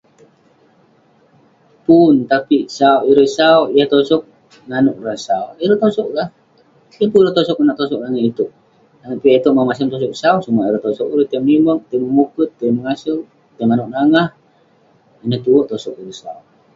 Pun, tapik sau- urip sau yah tosog nanouk rah sau. Ireh Tosog lah, yeng pun ulouk tosog konak tosog langit itouk. Langit piak itouk, masem masem tosog. Sau sumak tosog ulouk tai menimeg, tai memuket, tai mengasouk, tai manouk nangah. Ineh tue tosog ireh sau.